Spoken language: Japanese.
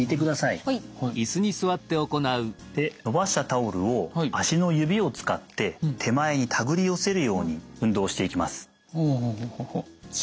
で伸ばしたタオルを足の指を使って手前にたぐり寄せるように運動していきます。